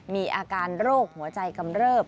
มีอาการโรคหัวใจกำเริบ